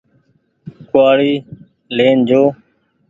ڪوُ وآڙي لين جو ۔